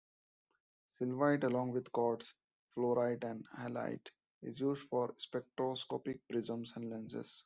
Sylvite, along with quartz, fluorite and halite, is used for spectroscopic prisms and lenses.